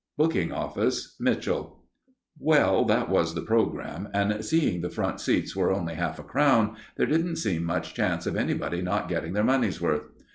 _ Booking Office: Mitchell. Well, that was the programme, and, seeing the front seats were only half a crown, there didn't seem much chance of anybody not getting their money's worth.